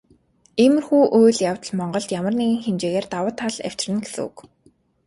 Иймэрхүү үйл явдал Монголд ямар нэгэн хэмжээгээр давуу тал авчирна гэсэн үг.